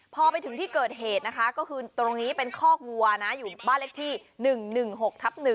พอไปถึงที่เกิดเหตุนะคะก็คือตรงนี้เป็นคอกวัวนะอยู่บ้านเลขที่๑๑๖ทับ๑